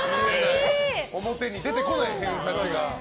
表に出てこない偏差値が。